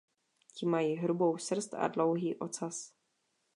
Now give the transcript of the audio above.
Ti mají hrubou srst a dlouhý ocas.